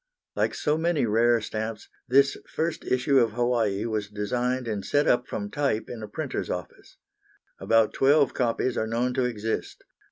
Like so many rare stamps, this first issue of Hawaii was designed and set up from type in a printer's office. About twelve copies are known to exist.